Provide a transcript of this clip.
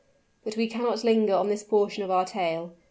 But we cannot linger on this portion of our tale.